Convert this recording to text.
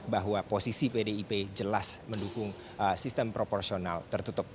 bahwa posisi pdip jelas mendukung sistem proporsional tertutup